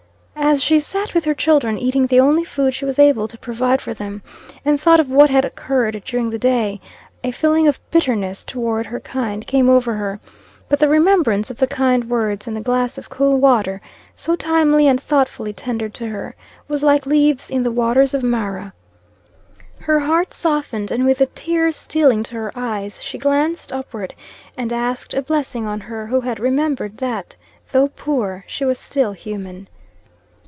As she sat with her children, eating the only food she was able to provide for them, and thought of what had occurred during the day, a feeling of bitterness toward her kind came over her; but the remembrance of the kind words, and the glass of cool water, so timely and thoughtfully tendered to her, was like leaves in the waters of Marah. Her heart softened, and with the tears stealing to her eyes, she glanced upward, and asked a blessing on her who had remembered that, though poor, she was still human.